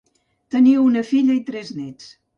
Tenia una filla i tres néts.